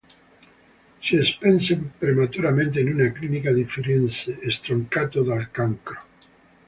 Si spense prematuramente in una clinica di Firenze, stroncato dal cancro.